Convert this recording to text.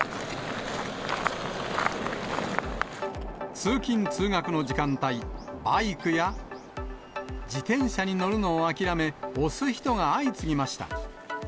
通勤・通学の時間帯、バイクや自転車に乗るのを諦め、押す人が相次ぎました。